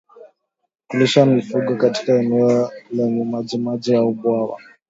Kulisha mifugo katika eneo lenye majimaji au bwawa